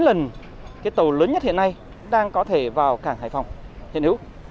lớn đến tám chín lần cái tàu lớn nhất hiện nay đang có thể vào cảng hải phòng hiện hữu